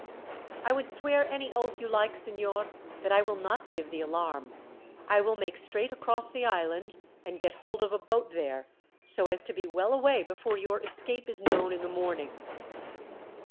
"I would swear any oath you like, signor, that I will not give the alarm. I will make straight across the island, and get hold of a boat there, so as to be well away before your escape is known in the morning."